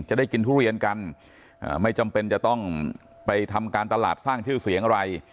จะได้กินทุเรียนกันไม่จำเป็นจะต้องไปทำการตลาดสร้างชื่อเสียงอะไร